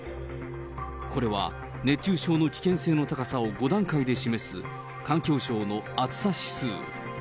これは、熱中症の危険性の高さを５段階で示す、環境省の暑さ指数。